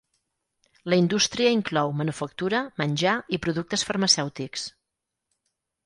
La indústria inclou manufactura, menjar i productes farmacèutics.